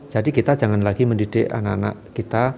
jadi kita jangan lagi mendidik anak anak kita